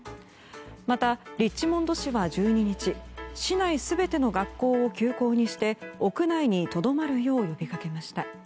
また、リッチモンド市は１２日市内全ての学校を休校にして屋内にとどまるよう呼びかけました。